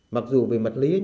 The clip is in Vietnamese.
mặc dù về mật lý